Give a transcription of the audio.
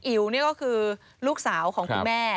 อิ๋วนี่ก็คือลูกสาวของคุณแม่